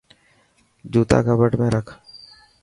جوتا ڪٻٽ ۾ رک.